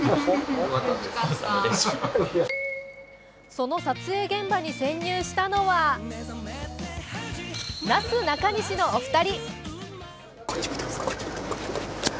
その撮影現場に潜入したのはなすなかにしのお二人。